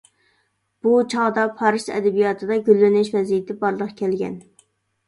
بۇ چاغدا پارس ئەدەبىياتىدا گۈللىنىش ۋەزىيىتى بارلىققا كەلگەن.